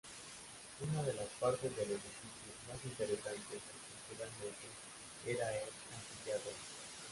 Una de las partes del edificio más interesantes estructuralmente era el anfiteatro.